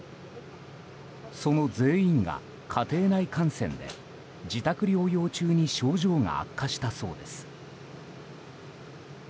その全員が家庭内感染で自宅療養中に症状が悪化したそうです。